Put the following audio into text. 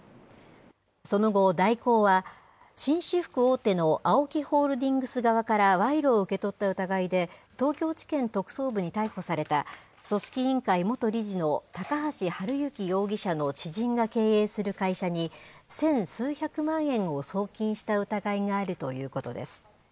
その後、大広は、紳士服大手のＡＯＫＩホールディングス側から賄賂を受け取った疑いで、東京地検特捜部に逮捕された、組織委員会元理事の高橋治之容疑者の知人が経営する会社に、千数百万円を送金した疑いがあるということです。